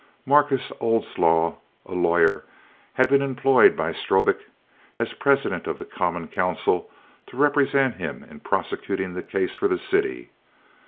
Marcus Oldslaw, a lawyer, had been employed by Strobik as president of the common council, to represent him in prosecuting the case for the city.